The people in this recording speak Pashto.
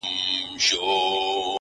o زما د تصور لاس گراني ستا پر ځــنگانـه،